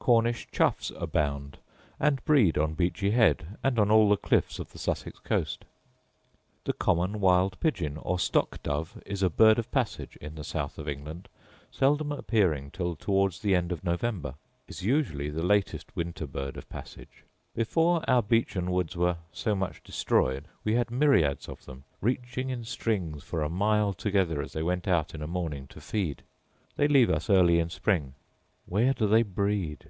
Cornish choughs abound, and breed on Beachy head and on all the cliffs of the Sussex coast. The common wild pigeon, or stock dove, is a bird of passage in the south of England, seldom appearing till towards the end of November; is usually the latest winter bird of passage. Before our beechen woods were so much destroyed we had myriads of them, reaching in strings for a mile together as they went out in a morning to feed. They leave us early in spring; where do they breed?